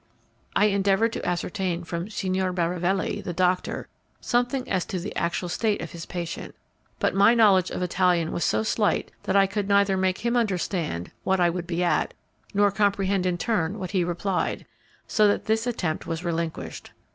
I endeavoured to ascertain from Signor Baravelli, the doctor, something as to the actual state of his patient; but my knowledge of Italian was so slight that I could neither make him understand what I would be at, nor comprehend in turn what he replied, so that this attempt was relinquished.